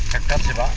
hektar sih pak